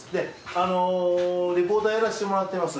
あのリポーターやらせてもらってます